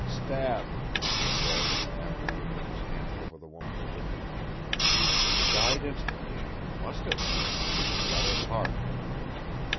"Stabbed," he said, after he had run his hands over the woman's figure; "died instantly must have. Got her heart.